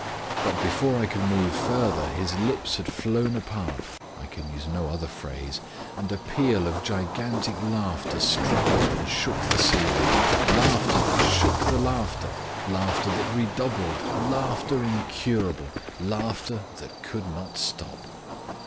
But before I could move further his lips had flown apart (I can use no other phrase) and a peal of gigantic laughter struck and shook the ceiling laughter that shook the laughter, laughter redoubled, laughter incurable, laughter that could not stop.